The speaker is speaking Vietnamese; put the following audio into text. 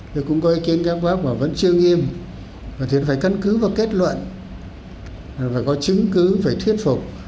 thì cũng có ý kiến các bác mà vẫn chưa nghiêm và thì phải căn cứ vào kết luận phải có chứng cứ phải thuyết phục